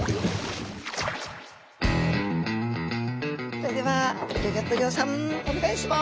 それではギョギョッと号さんお願いします！